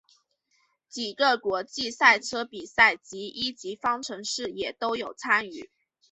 几个国际赛车比赛及一级方程式也都有参与。